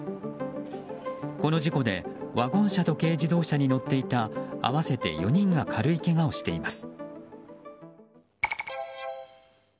この事故でワゴン車と軽自動車に乗っていた合わせて４人が軽いけがをしています。